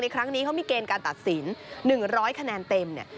ครั้งนี้เขามีเกณฑ์การตัดสิน๑๐๐คะแนนเต็มเนี่ย